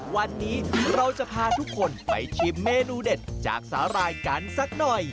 วันนี้เราจะพาทุกคนไปชิมเมนูเด็ดจากสาหร่ายกันสักหน่อย